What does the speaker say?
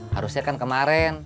harusnya kan kemaren